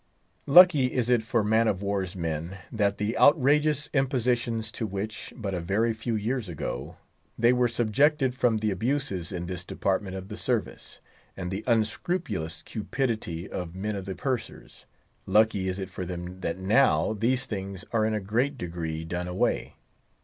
Lucky is it for man of war's men that the outrageous impositions to which, but a very few years ago, they were subjected from the abuses in this department of the service, and the unscrupulous cupidity of many of the pursers—lucky is it for them that now these things are in a great degree done away.